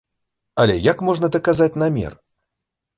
Але як можна даказаць намер?